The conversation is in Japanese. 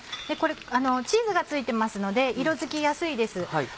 これチーズがついてますので色づきやすいです。